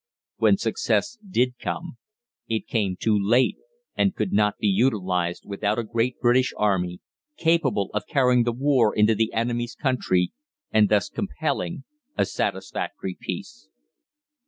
When success did come, it came too late, and could not be utilised without a great British Army capable of carrying the war into the enemy's country, and thus compelling a satisfactory peace.